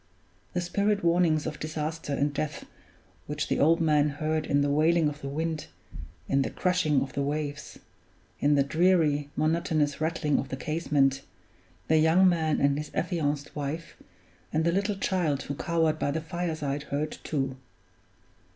The spirit warnings of disaster and death which the old man heard in the wailing of the wind, in the crashing of the waves, in the dreary, monotonous rattling of the casement, the young man and his affianced wife and the little child who cowered by the fireside heard too.